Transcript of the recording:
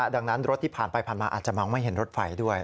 ดังนั้นรถที่ผ่านไปผ่านมาอาจจะมองไม่เห็นรถไฟด้วย